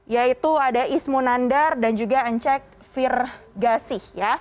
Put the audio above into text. yaitu ada ismu nandar dan juga ancek firgasih